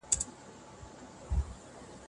ته له مستۍ د پېغلتوبه خو چي نه تېرېدای